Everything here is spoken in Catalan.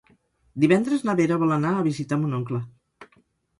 Divendres na Vera vol anar a visitar mon oncle.